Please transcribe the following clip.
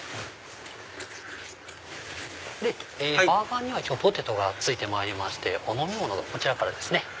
バーガーにはポテトが付いてまいりましてお飲み物がこちらからですね。